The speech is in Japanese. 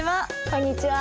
こんにちは。